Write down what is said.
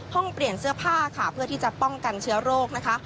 เปลี่ยนเสื้อผ้าค่ะเพื่อที่จะป้องกันเชื้อโรคนะคะ